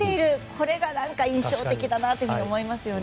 これが印象的だなと思いますよね。